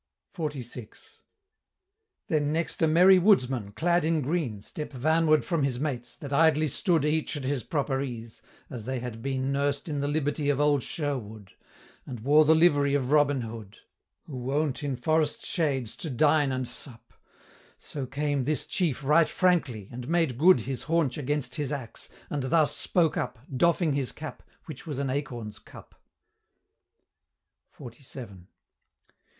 XLVI. Then next a merry Woodsman, clad in green, Step vanward from his mates, that idly stood Each at his proper ease, as they had been Nursed in the liberty of old Shérwood, And wore the livery of Robin Hood, Who wont in forest shades to dine and sup, So came this chief right frankly, and made good His haunch against his axe, and thus spoke up, Doffing his cap, which was an acorn's cup: XLVII.